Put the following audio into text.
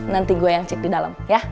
nanti gue yang cek di dalam ya